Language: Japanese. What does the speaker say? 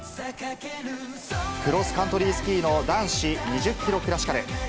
クロスカントリースキーの男子２０キロクラシカル。